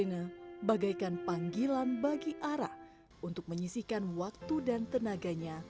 sebagai penggilaan bagi ara untuk menyisikan waktu dan tenaganya